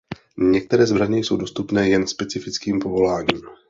Některé zbraně jsou dostupné jen specifickým povoláním.